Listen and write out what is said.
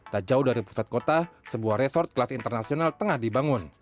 tak jauh dari pusat kota sebuah resort kelas internasional tengah dibangun